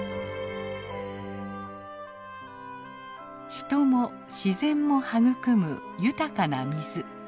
人も自然も育む豊かな水。